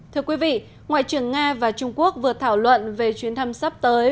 thưa quý vị ngoại trưởng nga và trung quốc vừa thảo luận về chuyến thăm sắp tới